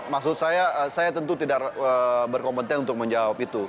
maksud saya saya tentu tidak berkompetensi untuk menjawab itu